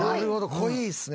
濃いですね。